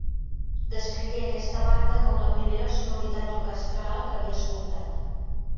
Descrigué aquesta banda com la primera sonoritat orquestral que havia escoltat.